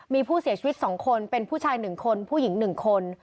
มีผู้เสียชีวิตสองคนเป็นผู้ชายหนึ่งคนผู้หญิงหนึ่งคน